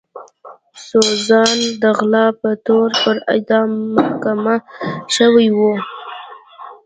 سوزانا د غلا په تور پر اعدام محکومه شوې وه.